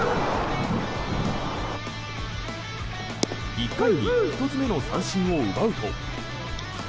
１回に１つ目の三振を奪うと。